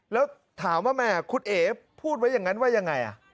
แล้วถามว่าแม่คุณเอ๋พูดไว้อย่างนั้นว่ายังไง